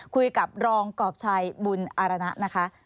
คุยกับรองกรอบชัยบุญอารณะนะคะ